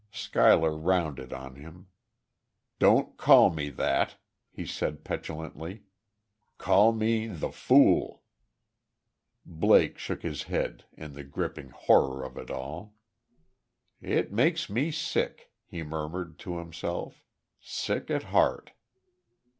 Schuyler rounded on him. "Don't call me that!" he said, petulantly. "Call me the Fool." Blake shook his head, in the gripping horror of it all. "It makes me sick," he murmured, to himself, "sick at heart!"